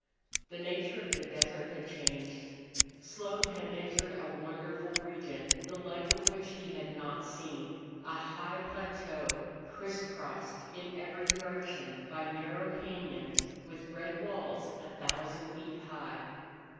The nature of the desert had changed. Slone had entered a wonderful region, the like of which he had not seen a high plateau criss crossed in every direction by narrow cañons with red walls a thousand feet high.